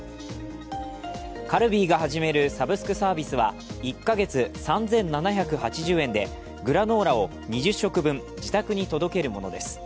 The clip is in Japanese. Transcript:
カルビーが始めるサブスクサービスは１か月３７８０円でグラノーラを２０食分自宅に届けるものです。